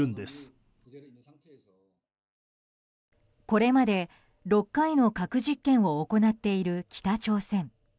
これまで６回の核実験を行っている、北朝鮮。